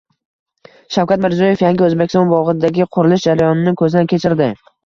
Shavkat Mirziyoyev “Yangi O‘zbekiston” bog‘idagi qurilish jarayonini ko‘zdan kechirdi